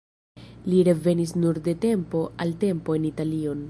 Li revenis nur de tempo al tempo en Italion.